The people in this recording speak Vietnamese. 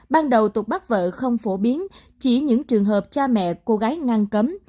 ban đầu tục bắt vợ không phổ biến chỉ những trường hợp cha mẹ cô gái ngang cấm